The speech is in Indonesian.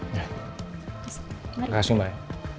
terima kasih mbak ya